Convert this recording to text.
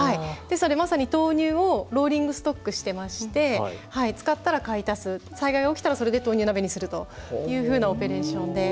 まさに豆乳をローリングストックしてまして使ったら買い足す災害が起きたらそれで豆乳鍋にするというオペレーションで。